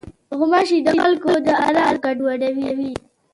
غوماشې د خلکو د آرام ګډوډوي.